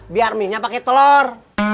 biar mienya pakai telur